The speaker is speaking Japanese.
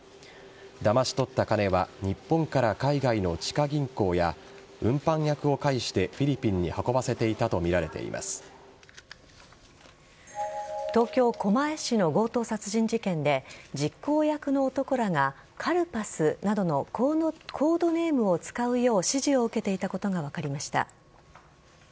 だまし取った金は日本から海外の地下銀行や運搬役を介してフィリピンに運ばせていたと東京・狛江市の強盗殺人事件で実行役の男らがカルパスなどのコードネームを使うよう指示を受けていたことが分かりました。